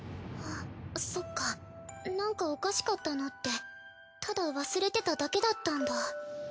あっそっかなんかおかしかったのってただ忘れてただけだったんだ。